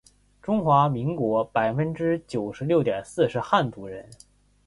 中华民国百分之九十六点四是汉族人